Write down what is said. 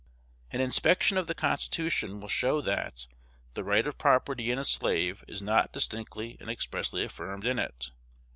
An inspection of the Constitution will show that the right of property in a slave is not distinctly and expressly affirmed in it.